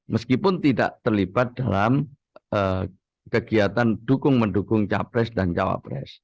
meskipun tidak terlibat dalam kegiatan dukung mendukung capres dan cawapres